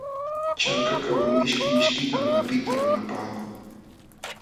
Chankakawan mishki mishkitam apita lulapaakun.